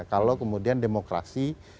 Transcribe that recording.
kalau kemudian demokrasi